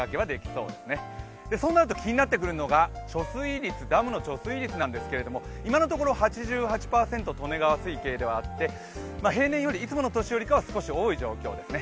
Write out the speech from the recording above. そうなってくると気になるのはダムの貯水率なんですけれども、今のところ８８％利根川水系ではあって平年より、いつもの年よりは少し多い状況ですね。